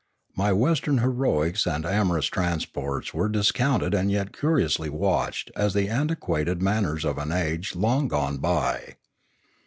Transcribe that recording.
My Western heroics and amorous transports were discounted and yet curiously watched as the antiquated manners of an age long gone by.